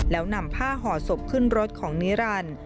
แล้วนำผ้าห่อศพขึ้นรถของนิรันดิ์